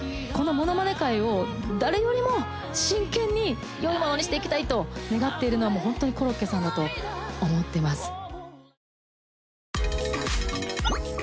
このものまね界を誰よりも真剣によいものにしていきたいと願っているのはもうホントにコロッケさんだと思ってます。